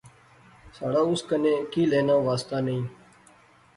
ساڑا اس کنے کی لینا واسطہ نئیں